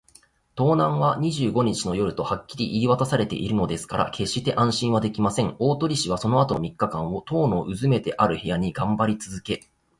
盗難は二十五日の夜とはっきり言いわたされているのですから、けっして安心はできません。大鳥氏はそのあとの三日間を、塔のうずめてある部屋にがんばりつづけ